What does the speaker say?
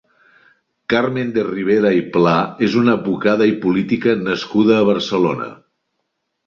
Carmen de Rivera i Pla és una advocada i política nascuda a Barcelona.